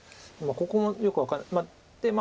ここもよく分かんない。